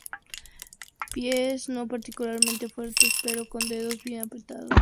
Pies no particularmente fuertes, pero con dedos bien apretados y arqueados.